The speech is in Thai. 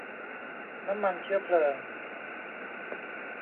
น้ำมันเชื้อเพลิง